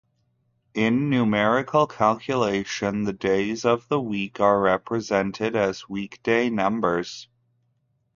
In numerical calculation, the days of the week are represented as weekday numbers.